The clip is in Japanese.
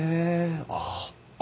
ああ。